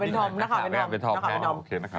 นักข่าวเป็นทอม